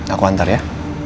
aku ntar ya